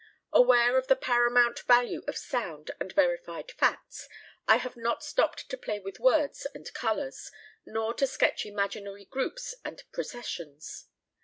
Aware of the paramount value of sound and verified facts, I have not stopped to play with words and colours, nor to sketch imaginary groups and processions.